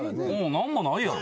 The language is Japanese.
何もないやろ。